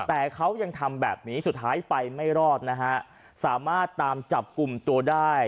แต่เขายังทำแบบนี้สุดท้ายไปไม่รอดนะฮะสามารถตามจับกลุ่มตัวได้